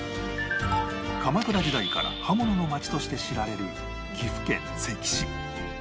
鎌倉時代から刃物の町として知られる岐阜県関市